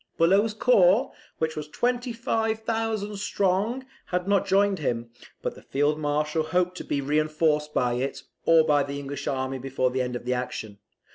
Bulow's corps, which was 25,000 strong, had not joined him; but the Field Marshal hoped to be reinforced by it, or by the English army before the end of the action.